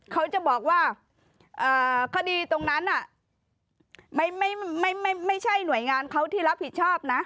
เขาจะบอกว่าคดีตรงนั้นไม่ใช่หน่วยงานเขาที่รับผิดชอบนะ